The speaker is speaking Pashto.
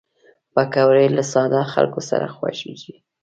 پکورې له ساده خلکو خوښېږي